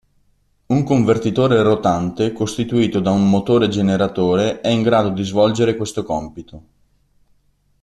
Un convertitore rotante costituito da un motore-generatore è in grado di svolgere questo compito.